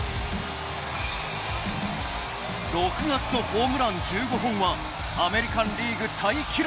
６月のホームラン１５本はアメリカンリーグタイ記録。